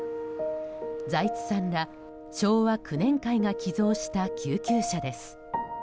財津さんら昭和九年会が寄贈した救急車です。